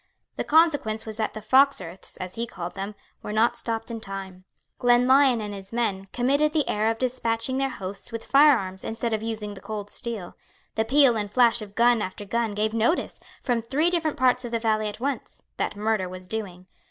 The consequence was that the fox earths, as he called them, were not stopped in time. Glenlyon and his men committed the error of despatching their hosts with firearms instead of using the cold steel. The peal and flash of gun after gun gave notice, from three different parts of the valley at once; that murder was doing.